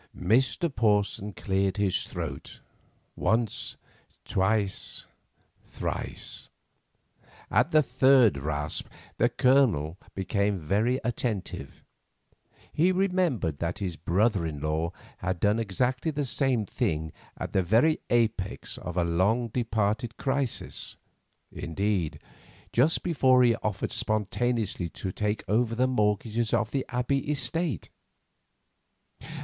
Mr. Porson cleared his throat—once, twice, thrice. At the third rasp, the Colonel became very attentive. He remembered that his brother in law had done exactly the same thing at the very apex of a long departed crisis; indeed, just before he offered spontaneously to take over the mortgages on the Abbey estate.